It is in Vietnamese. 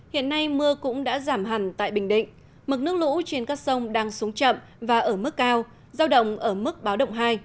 hiện nay mưa cũng đã giảm hẳn tại bình định mực nước lũ trên các sông đang xuống chậm và ở mức cao giao động ở mức báo động hai